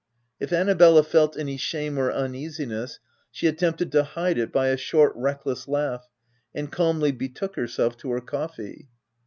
If Annabella felt any shame or uneasiness, she attempted to hide it by a short, reckless laugh, and calmly betook herself to her coffee.